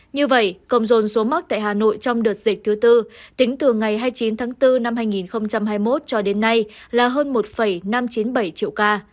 như vậy công dồn số mắc tại hà nội trong đợt dịch thứ tư tính từ ngày hai mươi chín tháng bốn năm hai nghìn hai mươi một cho đến nay là hơn một năm trăm chín mươi bảy triệu ca